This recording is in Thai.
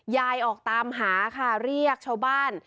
ยายออกตามหาเรียกชาวบ้าน